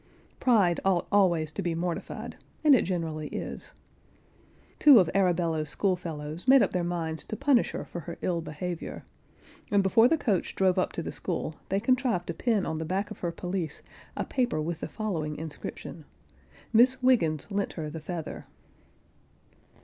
Pride ought always to be mortified, and it generally is. Two of Arabella's schoolfellows made up their minds to punish her for her ill behaviour, and, before the coach drove up to the school they contrived to pin on the back of her pelisse a paper with the following inscription: "Miss Wiggens lent her the feather."